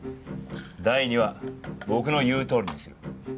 第２は僕の言うとおりにする。